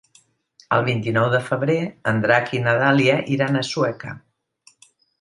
El vint-i-nou de febrer en Drac i na Dàlia iran a Sueca.